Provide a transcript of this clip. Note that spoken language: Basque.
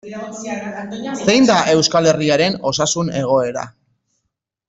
Zein da Euskal Herriaren osasun egoera?